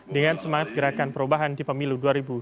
dengan semangat gerakan perubahan di pemilu dua ribu dua puluh